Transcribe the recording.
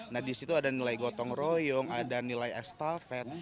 nah di situ ada nilai gotong royong ada nilai estafet